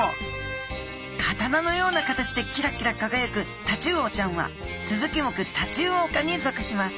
刀のような形でキラキラ輝くタチウオちゃんはスズキ目タチウオ科に属します。